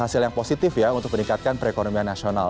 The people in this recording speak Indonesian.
hasil yang positif ya untuk meningkatkan perekonomian nasional